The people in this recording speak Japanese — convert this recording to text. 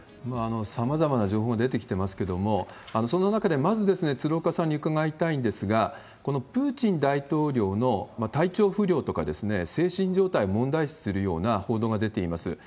さまざまな情報が出てきてますけれども、そんな中で、まず鶴岡さんに伺いたいんですが、このプーチン大統領の体調不良とか、精神状態を問題視するような報道が出ています。